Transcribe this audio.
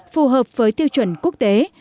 phù hợp với tiêu chuẩn quốc tế